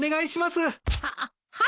はっはい。